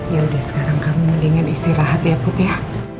ya udah sekarang kamu mendingan istirahat ya put ya